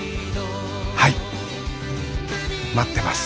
はい待ってます。